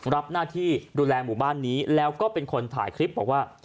รับหน้าที่ดูแลหมู่บ้านนี้แล้วก็เป็นคนถ่ายคลิปบอกว่า